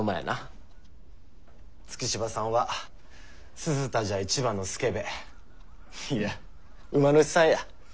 月柴さんは鈴田じゃ一番のスケベいや馬主さんや。